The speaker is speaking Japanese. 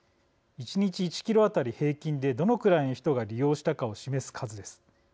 １日１キロ当たり平均で、どのくらいの人が利用したかを示す数です。